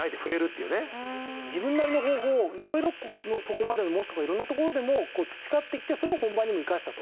自分なりの方法を色々そこまでの模試とか色んな所でもう培ってきてそれを本番にも生かしたと。